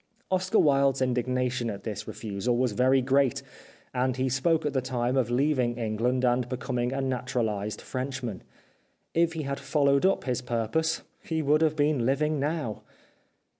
Oscar Wilde's indignation at this re fusal was very great, and he spoke at the time of leaving England and becoming a naturalised Frenchman. If he had followed up his purpose he would have been living now.